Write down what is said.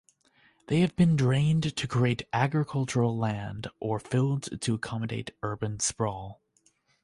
They have been drained to create agricultural land or filled to accommodate urban sprawl.